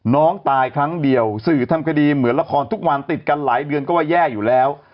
น้องตายครั้งเดียวสื่อทำคดีเหมือนละครทุกวันติดกันหลายเดือนก็ว่าแย่อยู่แล้ว